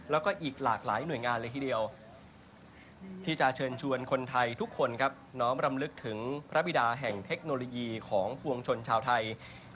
แล้วก็อีกหลากหลายหน่วยงานเลยทีเดียวที่จะเชิญชวนคนไทยทุกคนครับน้อมรำลึกถึงพระบิดาแห่งเทคโนโลยีของปวงชนชาวไทย